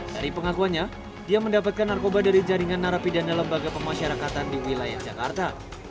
dari pengakuannya dia mendapatkan narkoba dari jaringan narapidana lembaga pemasyarakatan di wilayah jakarta